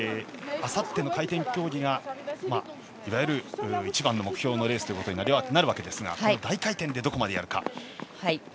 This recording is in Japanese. あさっての回転競技がいわゆる一番の目標のレースということになりますがこの大回転でどこまでやるか。